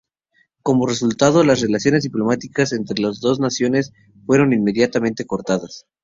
Como resultado, las relaciones diplomáticas entre las dos naciones fueron inmediatamente cortadas.